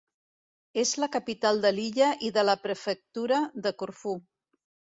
És la capital de l'illa i de la prefectura de Corfú.